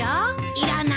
いらない。